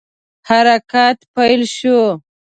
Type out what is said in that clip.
حرکت پیل شو.